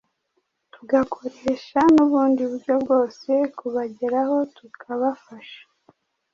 tugakoresha n’ubundi buryo bwose kubageraho tukabafasha